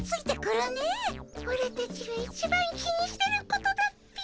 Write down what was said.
オラたちが一番気にしてることだっピ。